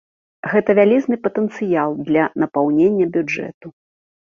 Гэта вялізны патэнцыял для напаўнення бюджэту.